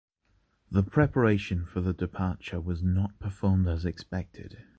The preparation for the departure was not performed as expected.